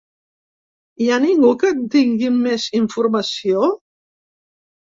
Hi ha ningú que en tingui més informació?